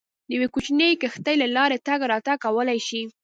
د یوې کوچنۍ کښتۍ له لارې تګ راتګ کولای شي.